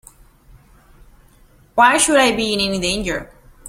Why should I be in any danger?